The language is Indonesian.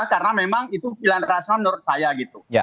karena memang itu pilihan rasional menurut saya gitu